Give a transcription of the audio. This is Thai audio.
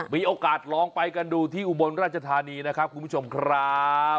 มีโอกาสลองไปกันดูที่อุบลราชธานีนะครับคุณผู้ชมครับ